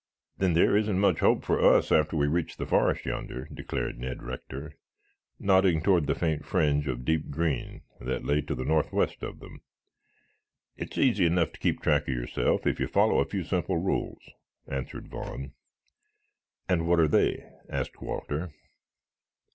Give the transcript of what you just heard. "Then there isn't much hope for us after we reach the forest yonder," declared Ned Rector, nodding toward the faint fringe of deep green that lay to the northwest of them. "It's easy enough to keep track of yourself if you follow a few simple rules," answered Vaughn. "And what are they?" asked Walter.